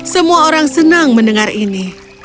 semua orang senang mendengar ini